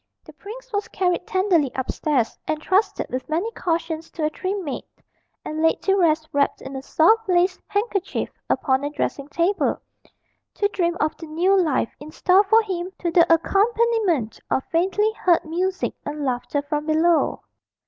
The prince was carried tenderly upstairs, entrusted with many cautions to a trim maid, and laid to rest wrapped in a soft lace handkerchief upon a dressing table, to dream of the new life in store for him to the accompaniment of faintly heard music and laughter from below.